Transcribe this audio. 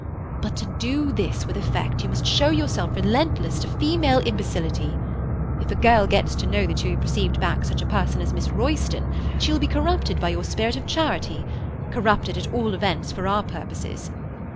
But to do this with effect you must show yourself relentless to female imbecility. If a girl gets to know that you have received back such a person as Miss Royston she will be corrupted by your spirit of charity—corrupted, at all events, for our purposes.